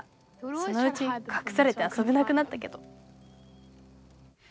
そのうちかくされてあそべなくなったけど」。